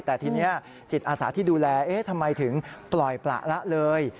แต่ทีนี้จิตอาสาที่ดูแลเอ๊ะทำไมถึงปล่อยประละเลย